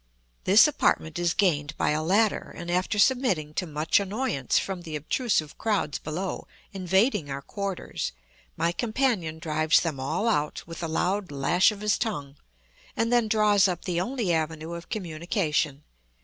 This apartment is gained by a ladder, and after submitting to much annoyance from the obtrusive crowds below invading our quarters, my companion drives them all out with the loud lash of his tongue, and then draws up the only avenue of communication.